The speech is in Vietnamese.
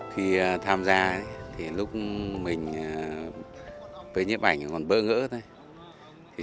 khi tham gia thì lúc mình với nhấp ảnh còn bơ ngỡ thôi